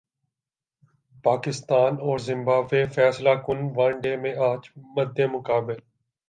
پاکستان اور زمبابوے فیصلہ کن ون ڈے میں اج مدمقابل